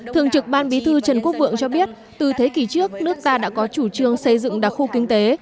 thường trực ban bí thư trần quốc vượng cho biết từ thế kỷ trước nước ta đã có chủ trương xây dựng đặc khu kinh tế